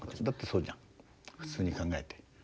だってそうじゃん普通に考えて。